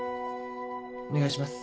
お願いします。